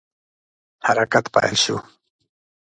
حرکت پیل شو.